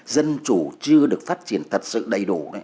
dân chủ chưa được phát triển thật sự đầy đủ